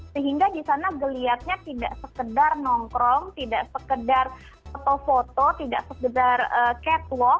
sehingga di sana geliatnya tidak sekedar nongkrong tidak sekedar foto foto tidak sekedar catwalk